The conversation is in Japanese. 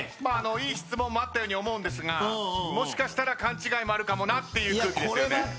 いい質問もあったように思うんですがもしかしたら勘違いもあるかもなっていう空気ですよね。